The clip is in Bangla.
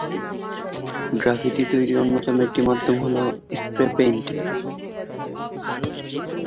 গ্রাফিতি তৈরির অন্যতম একটি মাধ্যম হল স্প্রে পেইন্ট।